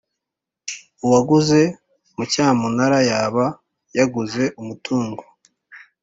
Uwaguze mu cyamunara yaba yaguze umutungo